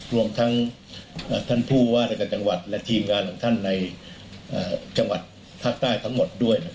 รวมทั้งท่านผู้ว่ารายการจังหวัดและทีมงานของท่านในจังหวัดภาคใต้ทั้งหมดด้วย